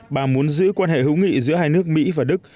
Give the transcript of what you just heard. bà muốn giữ quan hệ hữu nghị giữa hai nước mỹ và đức